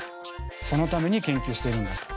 そのために研究してるんだと。